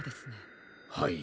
はい。